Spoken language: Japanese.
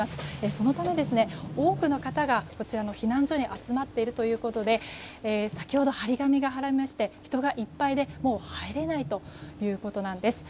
そのため多くの方がこちらの避難所に集まっているということで先ほど貼り紙が貼られまして人がいっぱいでもう入れないということなんです。